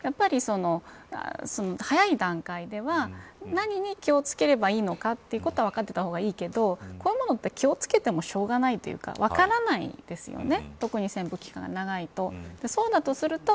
だから、早い段階では何に気を付ければいいのかということは分かっていた方がいいけどこういうものって気を付けていてもしょうがないというか分からないですよね。